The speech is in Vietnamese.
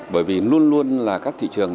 thứ nhất là vẫn là thị trường